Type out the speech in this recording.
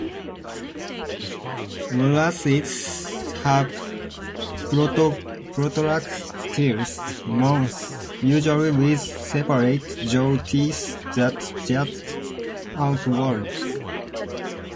Wrasses have protractile mouths, usually with separate jaw teeth that jut outwards.